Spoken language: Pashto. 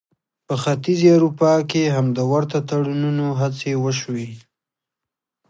په ختیځې اروپا کې هم د ورته تړونونو هڅې وشوې.